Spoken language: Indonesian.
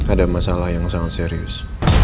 ada masalah yang sangat serius